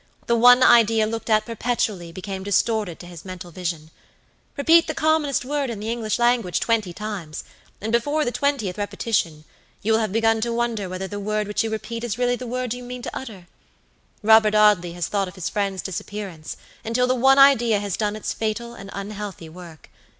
The one idea looked at perpetually became distorted to his mental vision. Repeat the commonest word in the English language twenty times, and before the twentieth repetition you will have begun to wonder whether the word which you repeat is really the word you mean to utter. Robert Audley has thought of his friend's disappearance until the one idea has done its fatal and unhealthy work.